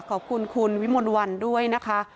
ขอบคุณคุณวิมลวันด้วยนะคะ